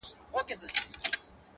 • كډي كوم وطن ته وړي دا كور خرابي,